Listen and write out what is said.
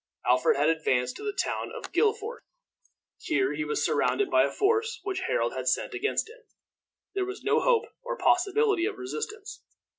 Alfred had advanced to the town of Guilford. Here he was surrounded by a force which Harold had sent against him. There was no hope or possibility of resistance.